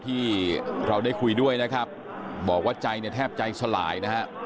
ที่เราได้คุยด้วยนะครับบอกว่าใจเนี่ยแทบใจสลายนะฮะ